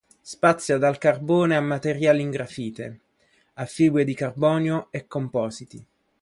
Spazia dal carbone a materiali in grafite, a fibre di carbonio e compositi.